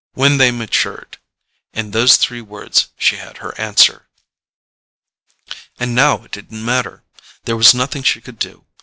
When they matured in those three words she had her answer. And now it didn't matter. There was nothing she could do.